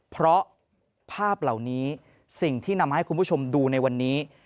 เพราะภาพเหล่านี้สิ่งที่นำมาให้คุณผู้ชมดูในวันนี้